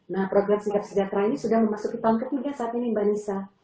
nah program singkat sejahtera ini sudah memasuki tahun ketiga saat ini mbak nisa